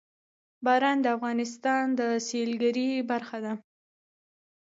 باران د افغانستان د سیلګرۍ برخه ده.